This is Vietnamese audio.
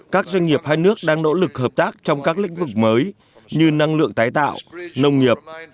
các doanh nghiệp hai nước đang nỗ lực hợp tác trong các lĩnh vực mới như năng lượng tái tạo nông nghiệp